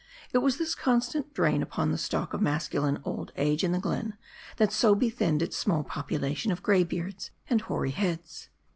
It was this constant drain upon the stock of masculine old age in the glen, that so bethinned its small population of gray beards and hoary heads.